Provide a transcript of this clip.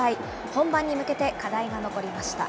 本番に向けて課題が残りました。